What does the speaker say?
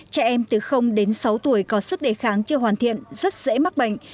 trẻ em từ đến sáu tuổi có sức đề kháng chưa hoàn thiện rất dễ mắc bệnh